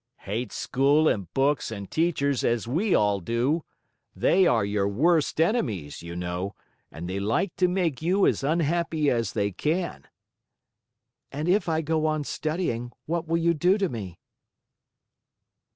"Hate school and books and teachers, as we all do. They are your worst enemies, you know, and they like to make you as unhappy as they can." "And if I go on studying, what will you do to me?"